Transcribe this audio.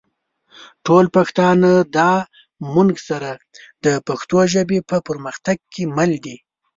ټول پښتانه دا مونږ سره د پښتو ژبې په پرمختګ کې مل دي